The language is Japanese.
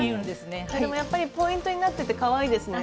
でもやっぱりポイントになっててかわいいですね。